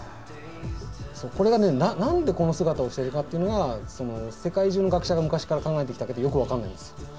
これがね何でこの姿をしてるかっていうのが世界中の学者が昔から考えてきたけどよく分かんないんですよ。